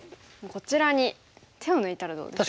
こちらに手を抜いたらどうでしょうか？